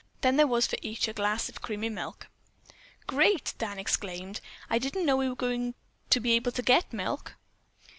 Then there was for each a glass of creamy milk. "Great!" Dan exclaimed. "I didn't know we were going to be able to get milk."